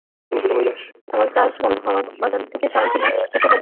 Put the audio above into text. এখন চাষ বন্ধ হওয়ায় বাজার থেকে চাল কিনে খেতে বাধ্য হচ্ছেন।